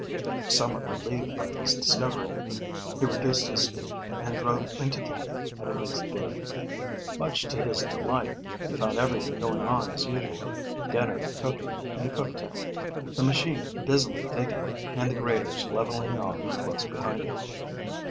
Somewhat relieved by this discovery, he reduced his speed and drove into camp at an easy gait. Much to his delight, he found everything going on as usual, dinner cooking in the cook tent, the machine busily digging, and the graders leveling off close behind it.